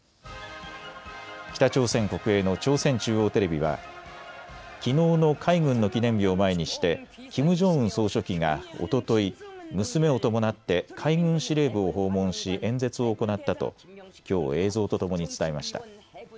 北朝鮮国営の朝鮮中央テレビはきのうの海軍の記念日を前にしてキム・ジョンウン総書記がおととい娘を伴って海軍司令部を訪問し演説を行ったときょう映像とともに伝えました。